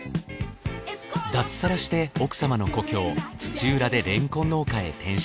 脱サラして奥様の故郷土浦でれんこん農家へ転身。